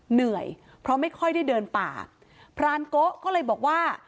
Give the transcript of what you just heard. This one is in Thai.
เหนื่อยเพราะไม่ค่อยได้เดินป่าพรานโกะก็เลยบอกว่า